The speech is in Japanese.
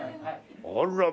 あらま。